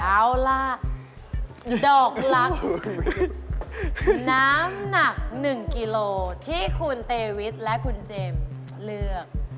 เอาล่ะดอกลักษณ์น้ำหนัก๑กิโลที่คุณเตวิทและคุณเจมส์เลือก